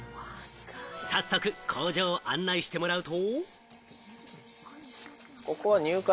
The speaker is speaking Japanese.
早速、工場を案内してもらうと。